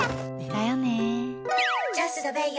だよね。